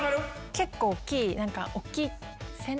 結構大きい。